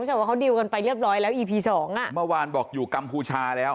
แต่ว่าเขาดิวกันไปเรียบร้อยแล้วอีพีสองอ่ะเมื่อวานบอกอยู่กัมพูชาแล้ว